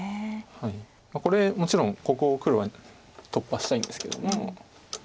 これもちろんここを黒は突破したいんですけれども。